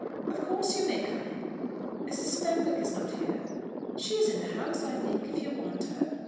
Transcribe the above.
"Of course you may come in." "Mrs. Fenwick is not here?" "She is in the house, I think, if you want her."